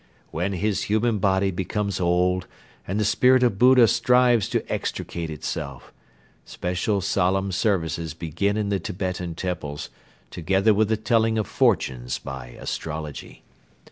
When his human body becomes old and the Spirit of Buddha strives to extricate itself, special solemn services begin in the Tibetan temples together with the telling of fortunes by astrology.